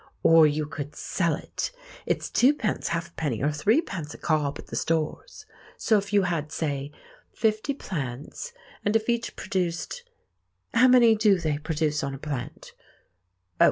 Or you could sell it. It's twopence halfpenny or threepence a cob at the Stores. So if you had, say, fifty plants, and if each produced—how many do they produce on a plant?...